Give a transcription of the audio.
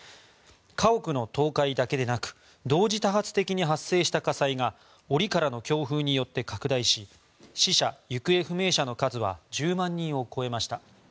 家屋の倒壊だけでなく同時多発的に発生した火災が折からの強風によって拡大し死者・行方不明者の数は１０万人を超えました。